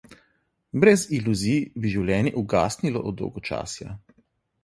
Brez iluzij bi življenje ugasnilo od dolgočasja.